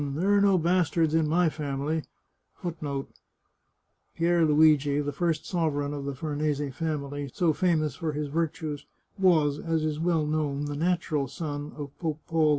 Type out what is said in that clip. There are no bastards in my family." Pietro Luigi, the first sovereign of the Farnese family, so famous for his virtues, was, as is well known, the natural son of Pope Paul III.